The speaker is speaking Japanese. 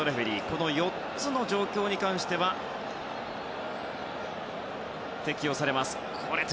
この４つの状況に関しては適用されます。